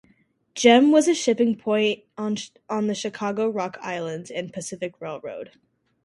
Gem was a shipping point on the Chicago, Rock Island and Pacific Railroad.